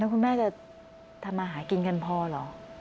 คุณแม่จะทำมาหากินกันพอเหรอ